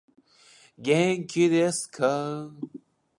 元気いですか